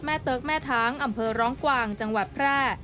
เติ๊กแม่ช้างอำเภอร้องกวางจังหวัดแพร่